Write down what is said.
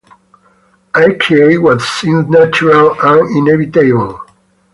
I create what seems natural and inevitable.